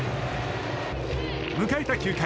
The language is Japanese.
迎えた９回。